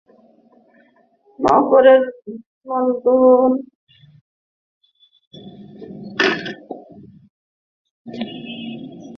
নগরের নন্দন চত্বরে শিশুমেলা নামে একটি সংগঠন ছোটদের বর্ষবরণ শীর্ষক অনুষ্ঠানমালার আয়োজন করে।